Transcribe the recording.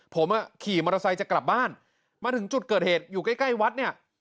ผมขี่มอเตอร์ไซค์จะกลับบ้านมาถึงจุดเกิดเหตุอยู่ใกล้ใกล้วัดเนี่ย